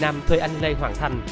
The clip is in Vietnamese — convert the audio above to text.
nam thuê anh lê hoàng thành